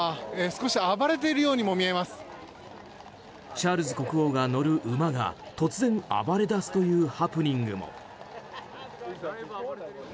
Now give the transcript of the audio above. チャールズ国王が乗る馬が突然、暴れだすというハプニングも。